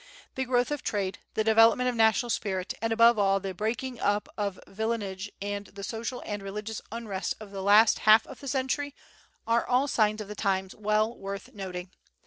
The growth of trade, the development of national spirit, and, above all, the breaking up of villeinage and the social and religious unrest of the last half of the century are all signs of the times well worth noting.